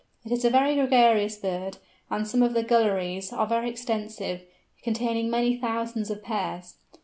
It is a very gregarious bird, and some of these "gulleries" are very extensive, containing many thousands of pairs.